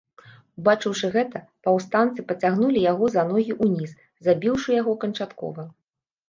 Убачыўшы гэта, паўстанцы пацягнулі яго за ногі ўніз, забіўшы яго канчаткова.